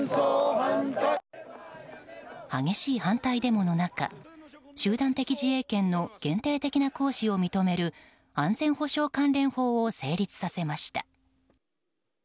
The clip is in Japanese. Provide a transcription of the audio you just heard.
激しい反対デモの中集団的自衛権の限定的な行使を認める安全保障関連法を成立させました。